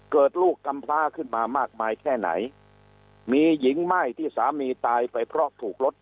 เกิดลูกกำพลาขึ้นมามากมายแค่ไหนมีหญิงไหม้ที่สามีตายไปเพราะถูกรถ